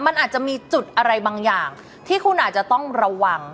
มันอาจจะมีจุดอะไรบางอย่างที่คุณอาจจะต้องระวัง